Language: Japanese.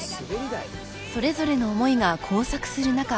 ［それぞれの思いが交錯する中］